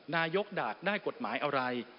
นายกดากได้กฎหมายอะไร